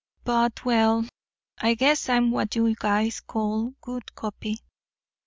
But well, I guess I'm what you guys call good copy.